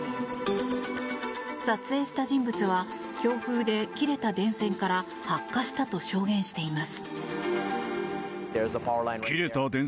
撮影した人物は強風で切れた電線から発火したと証言しています。